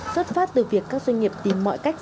xuất phát từ việc các doanh nghiệp tìm mọi cách